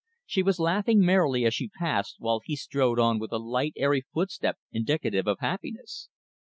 She was laughing merrily as she passed, while he strode on with a light, airy footstep indicative of happiness.